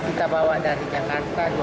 kita bawa dari kelantan dua belas ribu